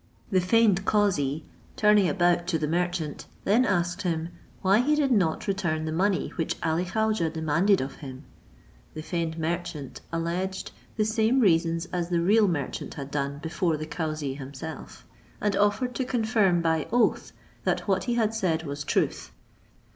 The feigned cauzee, turning about to the merchant, then asked him why he did not return the money which Ali Khaujeh demanded of him? The feigned merchant alleged the same reasons as the real merchant had done before the cauzee himself, and offered to confirm by oath that what he had said was truth.